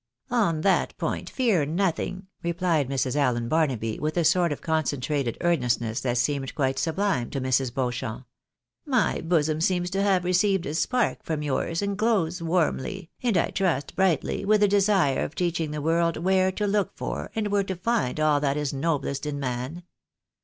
" On that point fear nothing," rephed Mrs. AUen Barnaby, with a sort of concentrated earnestness that seemed quite sublime to Mrs. Beauchamp ;" my bosom seems to have received a spark from yours, and glows warmly, and I trust brightly, with the desire of teaching the world where to look for and where to find all that GREAT SPIRITS RISE TO EMERGENCIES. 87 is noblest in man.